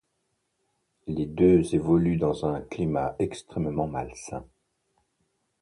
Les deux évoluent dans un climat extrêmement malsain.